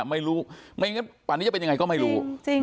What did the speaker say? ไม่รู้ไม่งั้นป่านี้จะเป็นยังไงก็ไม่รู้